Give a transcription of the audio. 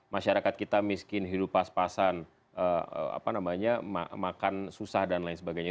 masyarakat kita miskin hidup pas pasan makan susah dan lain sebagainya